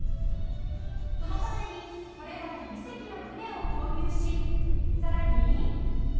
そのためにこれまで２隻の船を購入しさらに。